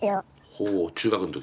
ほう中学の時？